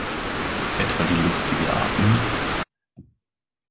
Etwa die Luft, die wir atmen?